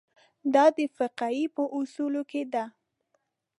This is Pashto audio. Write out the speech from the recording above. دا د فقهې په اصولو کې ده.